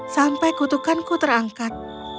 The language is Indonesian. sampai kutukanku terangkat